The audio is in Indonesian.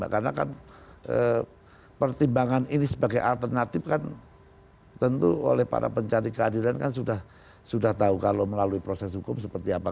karena kan pertimbangan ini sebagai alternatif kan tentu oleh para pencari keadilan kan sudah tahu kalau melalui proses hukum seperti apa